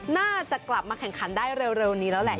น่าจะกลับมาแข่งขันได้เร็วนี้แล้วแหละ